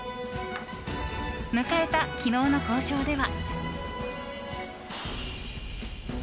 迎えた、昨日の交渉では。